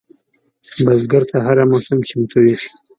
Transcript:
بزګر ته هره موسم چمتو وي